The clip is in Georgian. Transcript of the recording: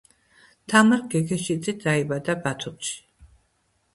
თამარ გეგეშიძე დაიბადა ბათუმში